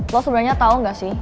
lo sebenarnya tau gak sih